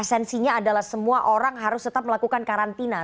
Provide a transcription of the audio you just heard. esensinya adalah semua orang harus tetap melakukan karantina